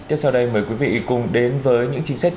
tiếp sau đây mời quý vị cùng đến với những chính sách